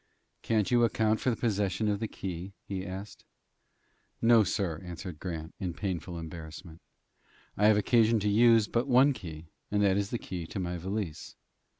"Can't you account for the possession of that key?" he asked. "No, sir," answered Grant, in painful embarrassment. "I have occasion to use but one key, and that is the key to my valise."